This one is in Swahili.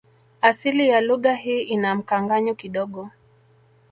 Asili ya lugha hii ina mkanganyo kidogo